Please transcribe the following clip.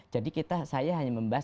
jadi saya hanya membahas